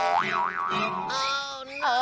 โอ้น้า